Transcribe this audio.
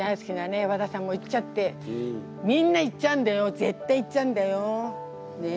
和田さんも行っちゃってみんな行っちゃうんだよ絶対行っちゃうんだよねえやだね。